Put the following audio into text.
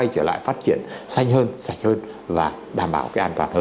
trở lại phát triển xanh hơn sạch hơn và đảm bảo cái an toàn hơn